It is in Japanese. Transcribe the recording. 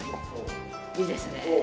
いいですね。